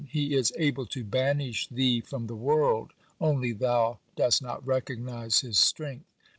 He is able to banish thee from the world, only thou dost not recognize his strength."